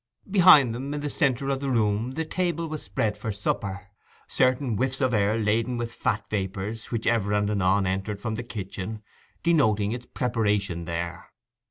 Behind them, in the centre of the room, the table was spread for supper, certain whiffs of air laden with fat vapours, which ever and anon entered from the kitchen, denoting its preparation there.